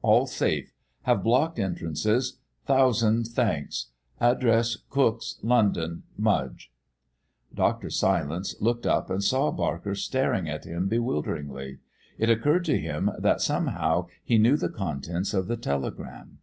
All safe. Have blocked entrances. Thousand thanks. Address Cooks, London. MUDGE." Dr. Silence looked up and saw Barker staring at him bewilderingly. It occurred to him that somehow he knew the contents of the telegram.